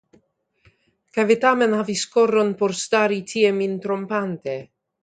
Kaj vi tamen havis koron por stari tie min trompante.